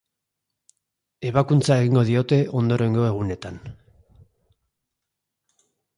Ebakuntza egingo diote ondorengo egunetan.